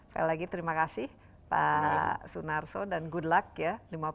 sekali lagi terima kasih pak sunarso dan good luck ya